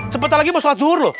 sebentar lagi mau sholat suruh loh